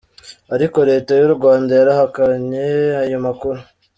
Ariko leta y'u Rwanda yarahakanye ayo makuru.